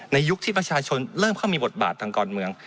ยุคที่ประชาชนเริ่มเข้ามีบทบาททางการเมือง